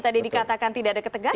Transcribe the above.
tadi dikatakan tidak ada ketegangan